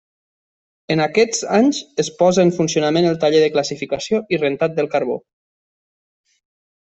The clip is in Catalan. En aquests anys es posa en funcionament el taller de classificació i rentat del carbó.